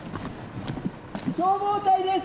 消防隊です。